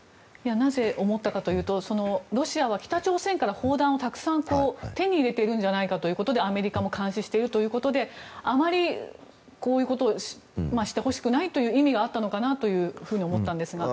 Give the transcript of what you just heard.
なぜ思ったかというとロシアは北朝鮮から砲弾をたくさん手に入れているんじゃないかということでアメリカも監視しているということであまりこういうことをしてほしくないという意味があったのかなと思ったんですが。